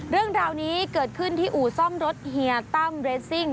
เรื่องราวนี้เกิดขึ้นที่อู่ซ่อมรถเฮียตั้มเรสซิ่ง